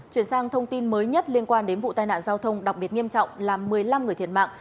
chuyển sang thông tin mới nhất liên quan đến vụ tai nạn giao thông đặc biệt nghiêm trọng làm một mươi năm người thiệt mạng